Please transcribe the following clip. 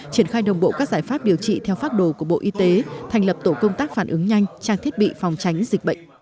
triển khai đồng bộ các giải pháp điều trị theo pháp đồ của bộ y tế thành lập tổ công tác phản ứng nhanh trang thiết bị phòng tránh dịch bệnh